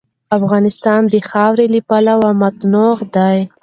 افغانستان د خاوره له پلوه متنوع دی.